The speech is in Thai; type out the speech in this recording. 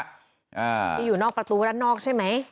ที่อยู่นอกประตูด้านนอกใช่ไหม